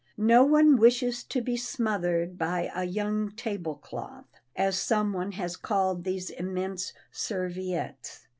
No one wishes to be smothered by a "young table cloth," as some one has called these immense serviettes.